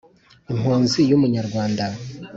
impunzi y'umunyarwanda,